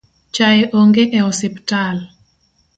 Chae onge e osiptal